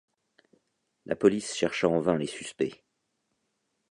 La police chercha en vain les suspects.